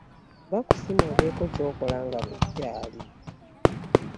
Vva ku ssimu obeeko ky'okola nga bukyali.